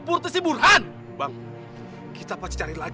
beri mereka kekuatan ya allah